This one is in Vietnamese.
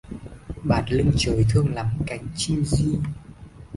Bạt lưng trời thương lắm cánh chim di